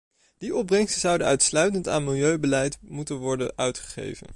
Die opbrengsten zouden uitsluitend aan milieubeleid moeten worden uitgegeven.